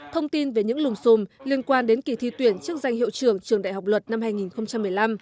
thông tin về những lùng xùm liên quan đến kỳ thi tuyển chức danh hiệu trưởng trường đại học luật năm hai nghìn một mươi năm